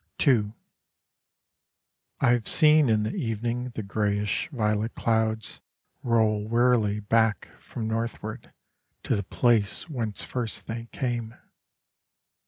II I have seen in the evening The greyish violet clouds Roll wearily back from northward To the place whence first they came.